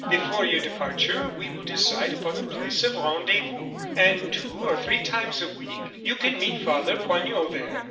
Before your departure we will decide upon a place of rendezvous, and two or three times a week you can meet Father Poignot there.